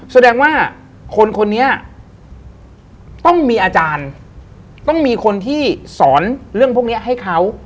แสดงว่าคนคนนี้ต้องมีอาจารย์ต้องมีคนที่สอนเรื่องพวกนี้ให้เขา